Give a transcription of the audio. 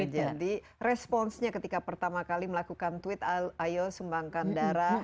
jadi responsnya ketika pertama kali melakukan tweet ayo sumbangkan darah